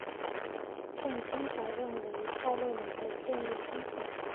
宋欣桥认为蔡若莲的建议中肯。